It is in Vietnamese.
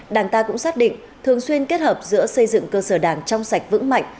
đảng ta cũng xác định thường xuyên kết hợp giữa xây dựng cơ sở đảng trong sạch vững mạnh